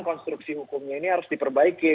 konstruksi hukumnya ini harus diperbaiki